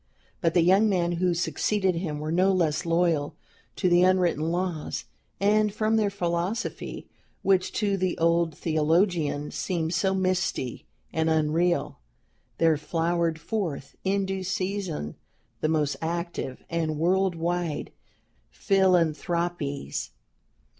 But the young men who succeeded him were no less loyal to the unwritten laws, and from their philosophy, which to the old theologian seemed so misty and unreal, there flowered forth, in due season, the most active and world wide philanthropies.